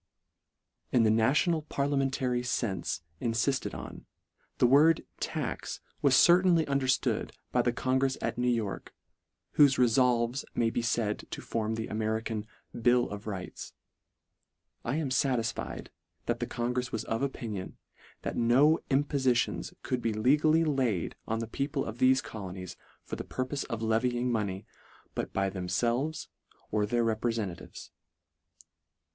In the national parliamentary fenfe in lifted on, the word " tax " f was certainly underftood by the congrefs at New York, whofe refolves may be faid to form the Ame rican " bill of rights." I am fatisfied that the congrefs was of opinion, that no impo litions could be legally laid on the people of thefe colonies for the purpofe of levying money, but by themfelves or their reprefen tatives.